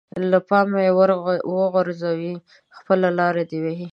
له پامه يې وغورځوي خپله لاره دې وهي.